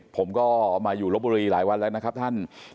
ผมก็มาอยู่ลบบุรีหลายวันแล้วนะครับท่าน